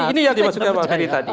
ini yang dimaksudkan pak gani tadi